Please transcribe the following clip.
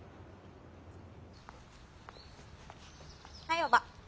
はいおばぁ。